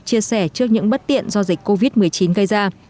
chia sẻ trước những bất tiện do dịch covid một mươi chín gây ra